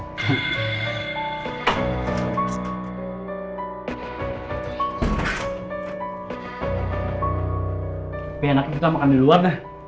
tapi enak kita makan di luar dah